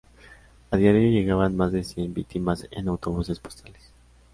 A diario llegaban más de cien víctimas en autobuses-postales.